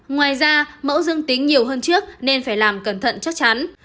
ngoài ra mẫu dương tính nhiều hơn trước nên phải làm cẩn thận chắc chắn